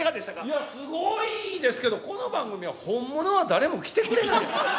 いや、すごいですけど、この番組は本物は誰も来てくれないの？